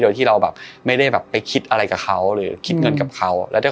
โดยที่ไม่ได้ไปคิดอะไรกับเขา